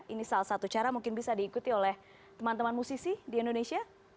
ini salah satu cara mungkin bisa diikuti oleh teman teman musisi di indonesia